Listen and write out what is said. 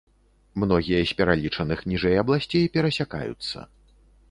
Многія з пералічаных ніжэй абласцей перасякаюцца.